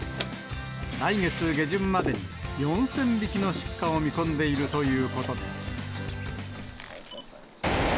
来月下旬までに４０００匹の出荷を見込んでいるということです。